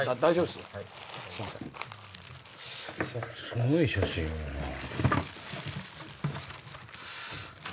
すごい写真やなぁ。